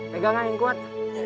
pegang aja yang kuat